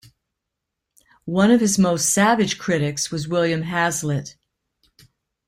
One of his most savage critics was William Hazlitt.